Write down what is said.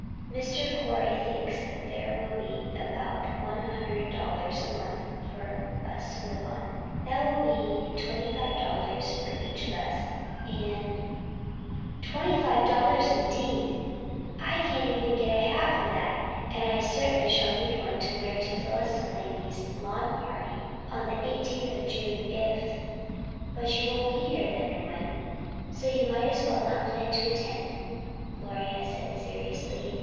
Mr. Corey thinks that there will be about one hundred dollars a month for us to live on. That will be twenty five dollars for each of us, and " "Twenty five dollars, indeed? I can't even get a hat for that, and I certainly shall need one to wear to Phyllis De Laney's lawn party on the 18th of June if " "But you won't be here then, Gwen, so you might as well not plan to attend," Gloria said seriously.